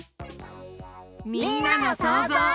みんなのそうぞう。